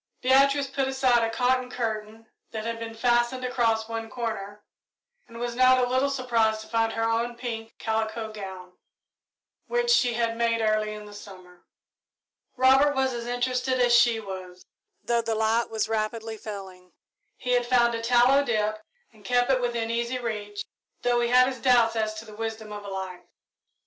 Beatrice pulled aside a cotton curtain that had been fastened across one corner, and was not a little surprised to find her own pink calico gown, which she had made early in the summer. Robert was as interested as she was, though the light was rapidly failing. He had found a tallow dip and kept it within easy reach, though he had his doubts as to the wisdom of a light.